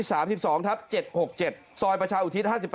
ซอยประชาอุทิศ๕๘